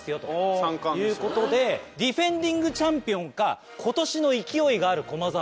・三冠ですね・ディフェンディングチャンピオンか今年の勢いがある駒澤か。